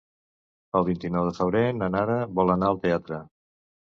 El vint-i-nou de febrer na Nara vol anar al teatre.